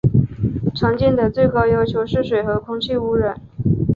常见的最高要求是水和空气污染。